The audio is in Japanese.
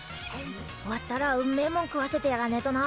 終わったらうめえもん食わせてやらねえとな。